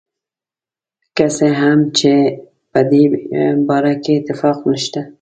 که څه هم چې په دې باره کې اتفاق نشته.